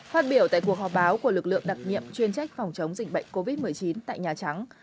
phát biểu tại cuộc họp báo của lực lượng đặc nhiệm chuyên trách phòng chống dịch bệnh covid một mươi chín tại nhà trắng